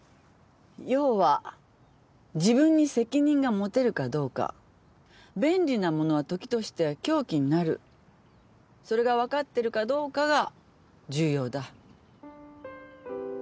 要は自分に責任が持てるかどうか便利なものは時として凶器になるそれが分かってるかどうかが重要だ。